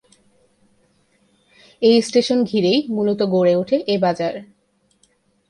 এই স্টেশন ঘিরেই মূলত গড়ে ওঠে এ বাজার।